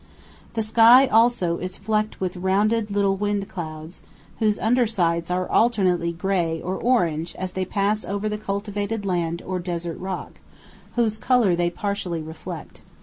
The sky also is flecked with rounded little wind clouds, whose undersides are alternately grey or orange as they pass over the cultivated land or desert rock, whose colour they partially reflect.